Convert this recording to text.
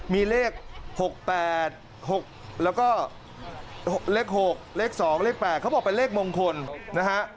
มีเลข๖๘๖แล้วก็เลข๖เลข๒เลข๘เขาบอกเป็นเลขมงคลนะฮะ